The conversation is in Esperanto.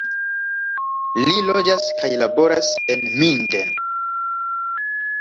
Li loĝas kaj laboras en Minden.